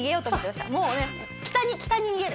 もうね北に北に逃げる。